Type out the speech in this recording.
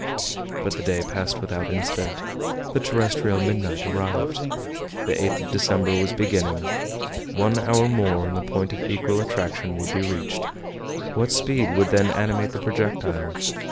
But the day passed without incident. The terrestrial midnight arrived. The 8th of December was beginning. One hour more, and the point of equal attraction would be reached. What speed would then animate the projectile?